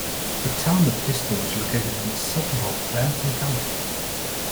The town of Estill is located in the southern half of Hampton County.